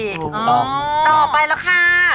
เรื่องโมขัด